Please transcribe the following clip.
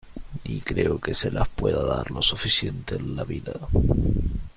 ni creo que se las pueda dar lo suficiente en la vida.